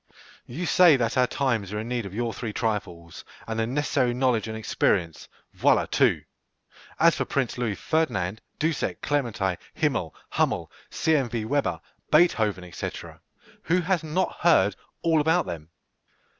You say that our times are in need of your three trifles, and the necessary knowledge and experience. Voilà tout! As for Prince Louis Ferdinand, Dussek, Clementi, Himmel, Hummel, C.M.v. Weber, Beethoven, &c., who has not heard all about them?